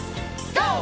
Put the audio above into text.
ＧＯ！